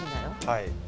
はい。